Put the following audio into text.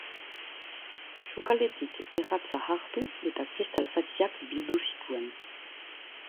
Sukaldetik erratza hartu eta kristal zatiak bildu zituen.